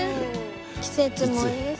季節もいいし。